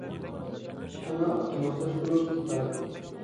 ئىشخانا ئاپتوماتلاشتۇرۇش دېتالى